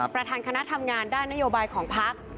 ประธานคณะทำงานด้านนโยบายของพัก